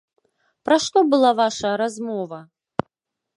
Пра што была вашая размова?